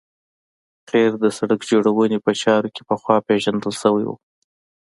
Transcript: قیر د سرک جوړونې په چارو کې پخوا پیژندل شوی و